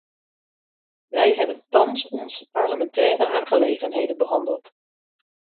Wij hebben thans onze parlementaire aangelegenheden behandeld.